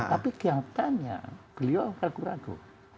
tapi kelihatannya beliau ragu ragu